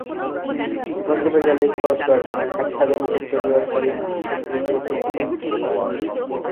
সুপারশপে গেলেই খরচ বাড়বেএক ছাদের নিচে তরিতরকারি, মাছ থেকে শুরু করে পোশাকও মেলে।